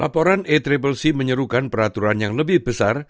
laporan accc menyerukan peraturan yang lebih besar